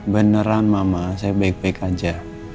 beneran mama saya baik baik aja